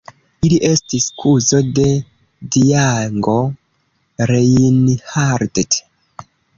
Li estis kuzo de Django Reinhardt.